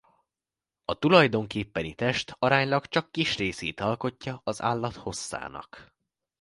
A tulajdonképpeni test aránylag csak kis részét alkotja az állat hosszának.